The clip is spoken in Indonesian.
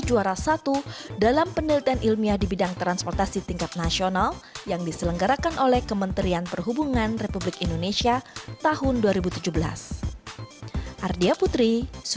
untuk edisi awal kita coba lagi